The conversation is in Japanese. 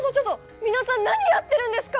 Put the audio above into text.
皆さん何やってるんですか！？